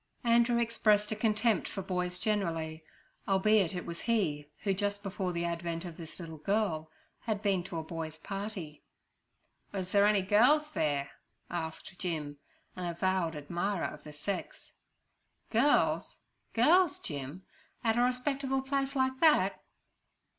Andrew expressed a contempt for boys generally, albeit it was he who, just before the advent of this little girl, had been to a boys' party. 'Wuz they any girls there?' asked Jim, an advowed admirer of the sex. 'Girls? girls, Jim, at a respectable place like that?'